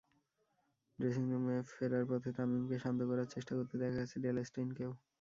ড্রেসিংরুমে ফেরার পথে তামিমকে শান্ত করার চেষ্টা করতে দেখা গেছে ডেল স্টেইনকেও।